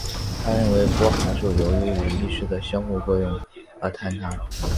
他认为波函数由于与意识的相互作用而坍缩。